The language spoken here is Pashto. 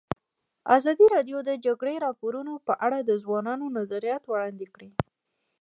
ازادي راډیو د د جګړې راپورونه په اړه د ځوانانو نظریات وړاندې کړي.